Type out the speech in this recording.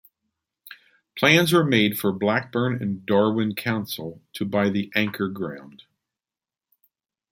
Plans were made for Blackburn with Darwen Council to buy the Anchor Ground.